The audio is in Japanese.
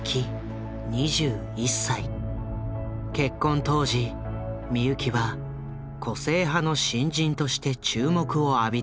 結婚当時美由紀は個性派の新人として注目を浴びていた。